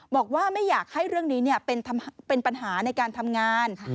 บอกว่าไม่อยากให้เรื่องนี้เป็นปัญหาในการทำงาน